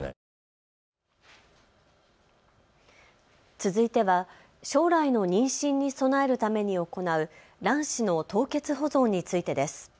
続いては将来の妊娠に備えるために行う卵子の凍結保存についてです。